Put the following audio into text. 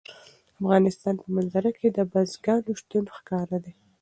د افغانستان په منظره کې د بزګانو شتون ښکاره دی.